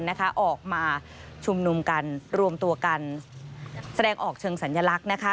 นะคะออกมาชุมนุมกันรวมตัวกันแสดงออกเชิงสัญลักษณ์นะคะ